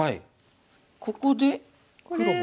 ここで黒は。